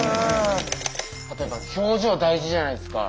あとやっぱ表情大事じゃないですか。